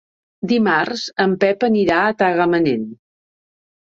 Dimarts en Pep anirà a Tagamanent.